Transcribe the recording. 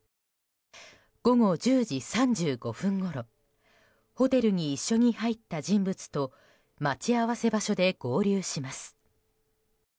午後１０時３５分ごろホテルに一緒に入った人物と待ち合わせ場所で合流します。